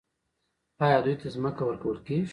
آیا دوی ته ځمکه ورکول کیږي؟